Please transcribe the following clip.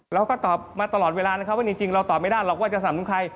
เราก็ตอบมาตลอดเวลานะครับว่าจริงเราตอบไม่ได้หรอกว่าจะสนับสนุนใคร